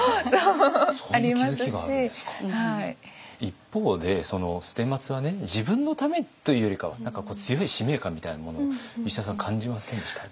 一方で捨松は自分のためというよりかは何か強い使命感みたいなものを石田さん感じませんでした？